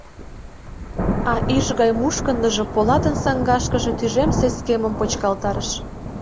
А ӱш гай мушкындыжо Полатын саҥгашкыже тӱжем сескемым почкалтарыш.